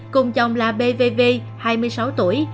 cùng chồng là b v v hai mươi sáu tuổi